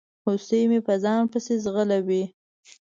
هوسۍ مې په ځان پسي ځغلوي